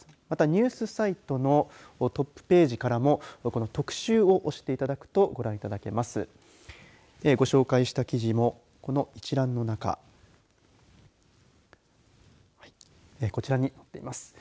また、ニュースサイトのトップページからも特集を押していただくとご覧いただけます。ご紹介した記事もこの一覧の中こちらに載っています。